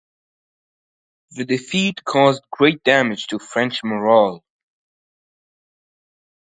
The defeat caused great damage to French morale.